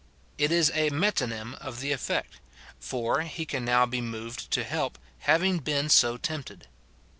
It is a metonymy of the effect ; for, he can now be moved to help, having been so tempted.